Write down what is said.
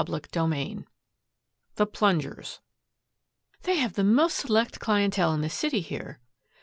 CHAPTER VII THE PLUNGERS "They have the most select clientele in the city here."